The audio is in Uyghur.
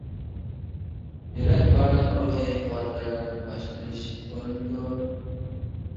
يۈرەك بارلىق روھىي قۇۋۋەتلەرنىڭ باشلىنىش ئورنىدۇر.